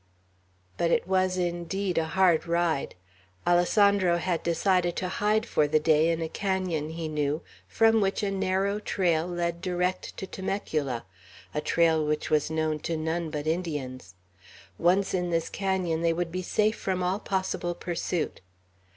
But it was indeed a hard ride. Alessandro had decided to hide for the day in a canon he knew, from which a narrow trail led direct to Temecula, a trail which was known to none but Indians. Once in this canon, they would be safe from all possible pursuit.